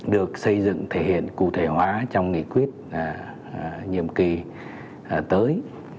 được xây dựng thể hiện cụ thể hóa trong nghị quyết nhiệm kỳ tới